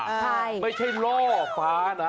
ใช่ไม่ใช่ล่อฟ้านะ